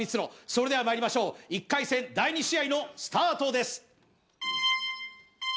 それではまいりましょう１回戦第２試合のスタートです